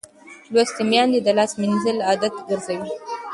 لوستې میندې د لاس مینځل عادت ګرځوي.